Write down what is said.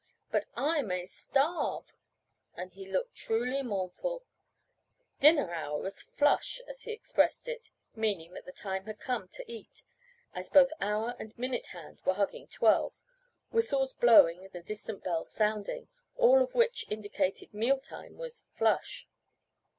But I may starve," and he looked truly mournful dinner hour was "flush" as he expressed it, meaning that the time had come to eat, as both hour and minute hand were hugging twelve, whistles blowing and a distant bell sounding, all of which indicated meal time was "flush."